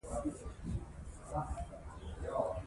ازادي راډیو د د ماشومانو حقونه حالت په ډاګه کړی.